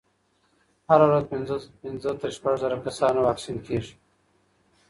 هره ورځ پنځه تر شپږ زره کسانو واکسین کېږي.